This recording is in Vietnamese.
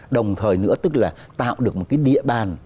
đồng thời nữa tức là tạo được một cái địa bàn